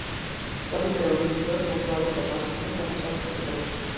ცნობილია რომ იგი ბევრს მოგზაურობდა, განსაკუთრებით, აღმოსავლეთის ქვეყნებში.